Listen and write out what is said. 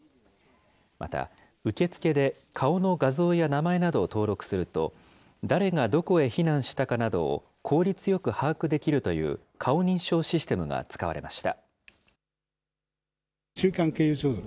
また受付で顔の画像や名前などを登録すると、誰がどこへ避難したかなどを効率よく把握できるという顔認証システムが使われました。